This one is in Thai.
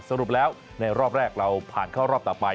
สรุปแล้วในรอบแรกเราผ่านเข้ารอบต่อไป